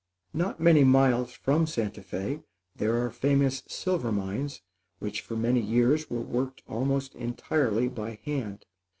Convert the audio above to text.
Not many miles from Santa Fé there are famous silver mines, which for many years were worked almost entirely by hand.